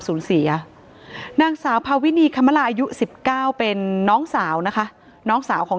เสียนางสาวพาวินีคมลาอายุ๑๙เป็นน้องสาวนะคะน้องสาวของ